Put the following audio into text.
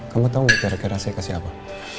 kamu tau gak kira kira saya kasih apa